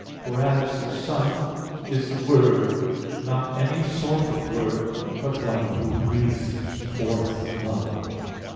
Whereas the Son is the Word, not any sort of word, but one Who breathes forth Love.